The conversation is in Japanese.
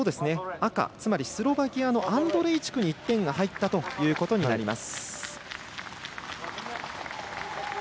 赤、つまりスロバキアのアンドレイチクに１点が入ったということになります。